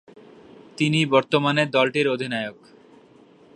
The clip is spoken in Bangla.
তিনি বর্তমানে দলটির অধিনায়ক।